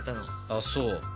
あっそう。